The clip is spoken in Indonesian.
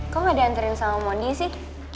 kok ga diantirin sama moni sih